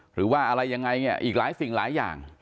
หรือว่าอะไรยังไงเนี่ยอีกหลายสิ่งหลายอย่าง